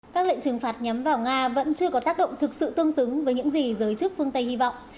các lệnh trừng phạt nhắm vào nga vẫn chưa có tác động thực sự tương xứng với những gì giới chức phương tây hy vọng